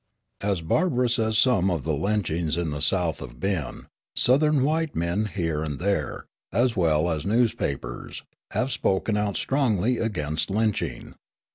As barbarous as some of the lynchings in the South have been, Southern white men here and there, as well as newspapers, have spoken out strongly against lynching.